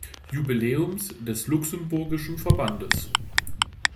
Jubiläums des luxemburgischen Verbandes.